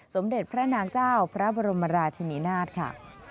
สมเด็จพระนางเจ้าพระบรมราชินินาศค่ะ